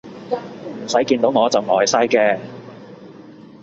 唔使見到我就呆晒嘅